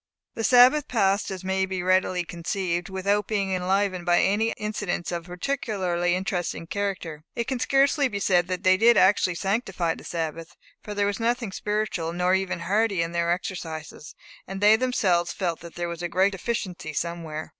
The Sabbath passed, as may be readily conceived, without being enlivened by any incidents of a particularly interesting character. It can scarcely be said that they did actually sanctify the Sabbath, for there was nothing spiritual, nor even hearty in their exercises; and they themselves felt that there was a great deficiency somewhere.